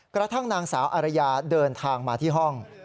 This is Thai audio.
กระทั่งนางสาวอารยาเดินทางมาที่ห้อง